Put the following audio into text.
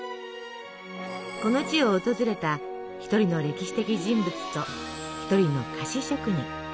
この地を訪れた一人の歴史的人物と一人の菓子職人。